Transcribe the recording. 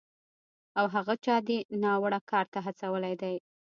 او هغه چا دې ناوړه کار ته هڅولی دی